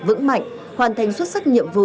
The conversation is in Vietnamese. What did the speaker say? vững mạnh hoàn thành xuất sắc nhiệm vụ